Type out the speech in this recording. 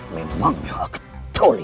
memangnya aku tuli